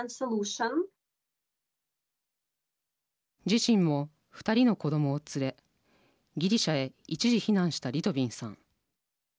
自身も２人の子どもを連れギリシャへ一時避難したリトビンさん。